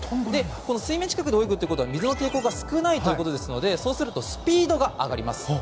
水面近くで泳ぐというのは水の抵抗が少ないということですのでそうするとスピードが上がります。